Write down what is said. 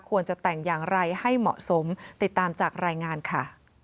ควรจะแต่งอย่างไรให้เหมาะสมติดตามจากรายงานค่ะ